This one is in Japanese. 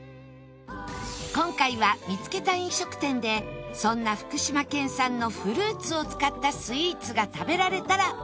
今回は見つけた飲食店でそんな福島県産のフルーツを使ったスイーツが食べられたらオーケー